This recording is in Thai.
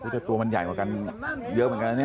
แต่ตัวมันใหญ่กว่ากันเยอะเหมือนกันนะเนี่ย